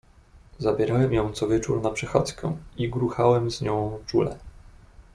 "Zabierałem ją co wieczór na przechadzkę i gruchałem z nią czule."